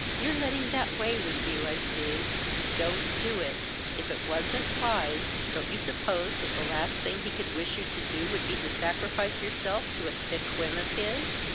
"You're letting that weigh with you, I see. Don't do it! If it wasn't wise, don't you suppose that the last thing he could wish you to do would be to sacrifice yourself to a sick whim of his?"